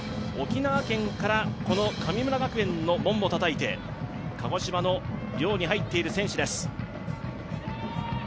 沖縄県から神村学園の門をたたいて鹿児島の寮に入っている選手です。